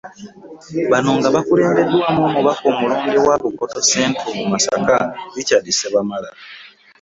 Bano nga bakulembeddwamu Omubaka omulonde owa Bukoto Central mu Masaka, Richard Ssebamala